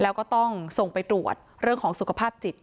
แล้วก็ต้องส่งไปตรวจเรื่องของสุขภาพจิต